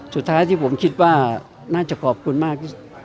สุดท้ายที่ผมคิดว่าน่าจะขอบคุณมาก